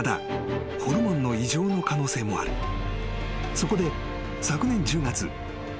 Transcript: ［そこで］